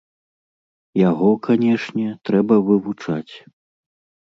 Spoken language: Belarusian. Яго, канешне, трэба вывучаць.